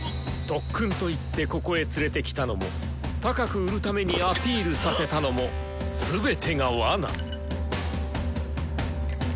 特訓と言ってここへ連れてきたのも高く売るためにアピールさせたのも全てがわな！